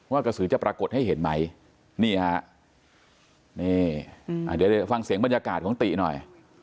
กระสือจะปรากฏให้เห็นไหมนี่ฮะนี่เดี๋ยวฟังเสียงบรรยากาศของติหน่อย